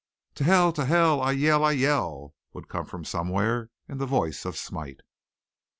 "To hell, to hell, I yell, I yell," would come from somewhere in the voice of Smite.